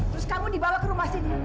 terus kamu dibawa ke rumah sini